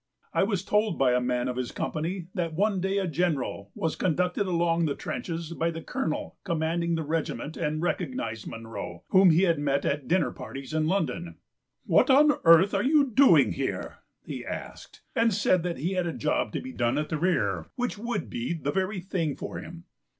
I was told by a man of his company that one day a General was conducted along the trenches by the Colonel commanding the regiment and recognised Munro, whom he had met at dinner parties in London. "What on earth are you doing here?" he asked, and said that he had a job to be done at the rear which would be the very thing for him.